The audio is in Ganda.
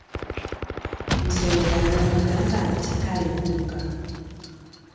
Nsowera n'amugamba nti, kale buuka!